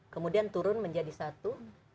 kemudian turun menjadi satu